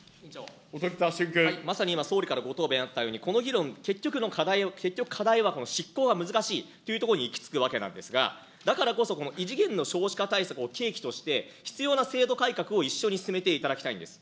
まさに今、総理からご答弁あったように、この議論、結局、課題は執行は難しいというところにいきつくわけなんですが、だからこそこの異次元の少子化対策を契機として、必要な制度改革を一緒に進めていただきたいんです。